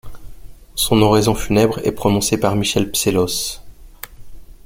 Son oraison funèbre est prononcée par Michel Psellos.